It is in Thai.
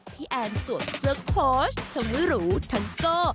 แอนสวมเสื้อโค้ชทั้งหรูทั้งโก้